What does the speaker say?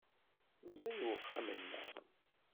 Meẓẓey uxxam-nneɣ.